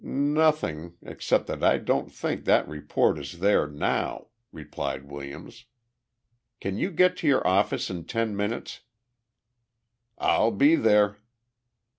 "Nothing except that I don't think that report is there now," replied Williams. "Can you get to your office in ten minutes?" "I'll be there!"